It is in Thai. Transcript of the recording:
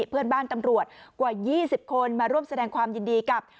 เพื่อนบ้านตำรวจกว่า๒๐คนมาร่วมแสดงความยินดีกับ